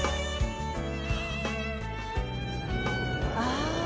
ああ。